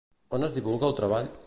On es divulga el treball?